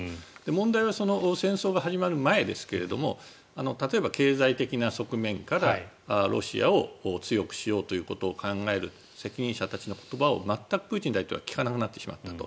問題は戦争が始まる前ですが例えば、経済的な側面からロシアを強くしようということを考える責任者たちの言葉を全くプーチン大統領は聞かなくなってしまったと。